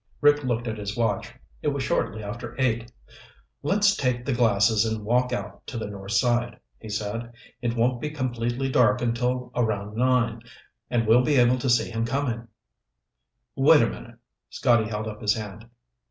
Rick looked at his watch. It was shortly after eight. "Let's take the glasses and walk out to the north side," he said. "It won't be completely dark until around nine, and we'll be able to see him coming." "Wait a minute." Scotty held up his hand.